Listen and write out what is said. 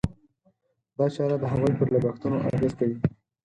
دا چاره د هغوی پر لګښتونو اغېز کوي.